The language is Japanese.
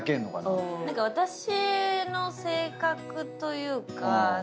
私の性格というか。